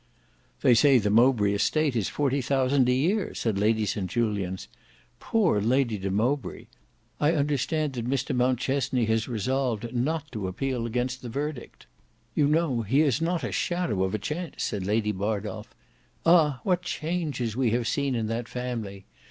"They say the Mowbray estate is forty thousand a year," said Lady St Julians. "Poor Lady de Mowbray! I understand that Mr Mountchesney has resolved not to appeal against the verdict." "You know he has not a shadow of a chance," said Lady Bardolf. "Ah! what changes we have seen in that family!